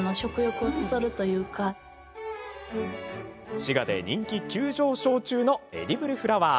滋賀で人気急上昇中のエディブルフラワー。